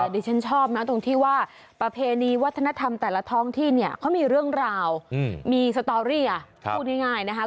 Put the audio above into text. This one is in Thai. ดิฉันชอบนะตรงที่ว่าประเพณีวัฒนธรรมแต่ละท้องที่เนี่ยเขามีเรื่องราวมีสตอรี่พูดง่ายนะคะ